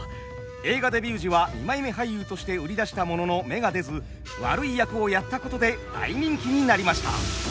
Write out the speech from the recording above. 映画デビュー時は二枚目俳優として売り出したものの芽が出ず悪い役をやったことで大人気になりました。